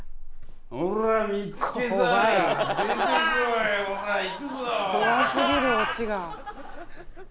怖すぎるオチが。